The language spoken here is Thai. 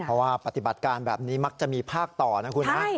เพราะว่าปฏิบัติการแบบนี้มักจะมีภาคต่อนะคุณนะ